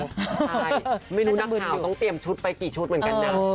ใช่ไม่รู้นะมือถือต้องเตรียมชุดไปกี่ชุดเหมือนกันนะ